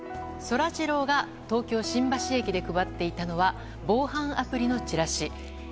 そらジローが東京・新橋駅で配っていたのは防犯アプリのチラシ。